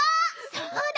そうだね。